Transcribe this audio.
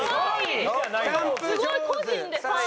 すごい！個人で３位。